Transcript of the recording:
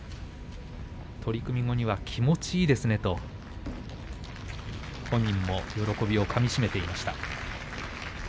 取組後には、気持ちいいですねと本人も喜びをかみしめていました。